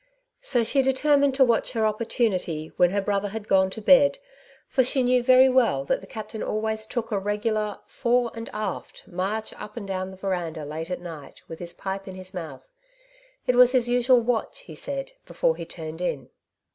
So she determined to watch her opportunity when her brother had gone to bed, for she knew very well that the captain always took a regular '^ fore and aft " march up and dowq. the verandah late at night, with his pipe in his mouth; it was his usual watch," he said, before he turned in.